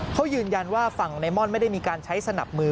เขายืนยันว่าฝั่งในม่อนไม่ได้มีการใช้สนับมือ